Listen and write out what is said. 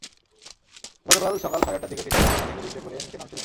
গতকাল সকাল সাড়ে আটটার দিকে তিনি ছয়তলা থেকে লিফটে করে নিচে নামছিলেন।